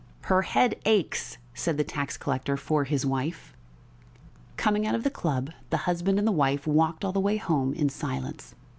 "Her head aches," said the tax collector for his wife. Coming out of the club, the husband and wife walked all the way home in silence.